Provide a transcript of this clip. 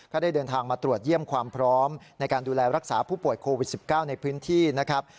ได้เดินทางมาตรวจเยี่ยมความพร้อมในการดูแลรักษาผู้ป่วยโควิด๑๙ในพื้นที่นะครับ